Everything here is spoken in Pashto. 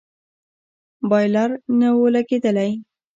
بايلر نه و لگېدلى.